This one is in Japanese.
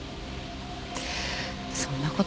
そんなこと。